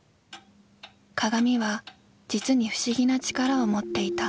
鏡は実に不思議な力をもっていた。